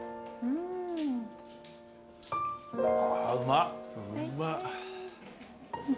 うまっ。